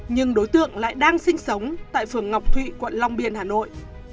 nhưng đối tượng lại đang sinh sống tại phường ngọc thụy quận long biên hà nội